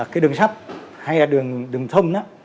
cái đường sắt hay là đường thông